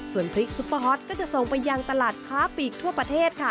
ส่วนพริกซุปเปอร์ฮอตก็จะส่งไปยังตลาดค้าปีกทั่วประเทศค่ะ